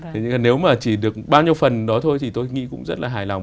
thế nhưng mà nếu mà chỉ được bao nhiêu phần đó thôi thì tôi nghĩ cũng rất là hài lòng